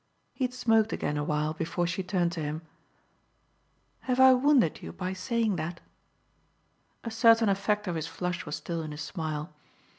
He had smoked again a while before she turned to him. "Have I wounded you by saying that?" A certain effect of his flush was still in his smile.